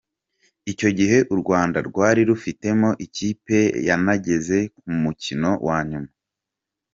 Icyo gihe u Rwanda rwari rufitemo ikipe yanageze ku mukino wa nyuma.